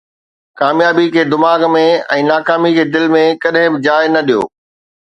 ڪاميابي کي دماغ ۾۽ ناڪامي کي دل ۾ ڪڏهن به جاءِ نه ڏيو